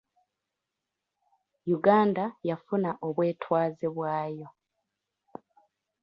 Uganda yafuna obwetwaze bwayo.